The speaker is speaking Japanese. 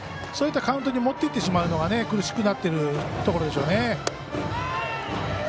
そういったカウントに持っていってしまうのが苦しくなっているところですね。